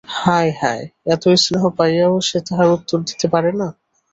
হায় হায়, এত স্নেহ পাইয়াও সে তাহার উত্তর দিতে পারে না।